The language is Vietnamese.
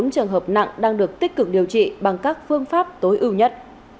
bốn trường hợp nặng đang được tích cực điều trị bằng các phương pháp tối ưu nhất